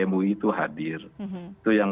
mui itu hadir itu yang